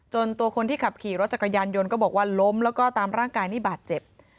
ตัวคนที่ขับขี่รถจักรยานยนต์ก็บอกว่าล้มแล้วก็ตามร่างกายนี่บาดเจ็บ